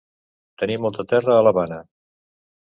Tenir molta terra a l'Havana.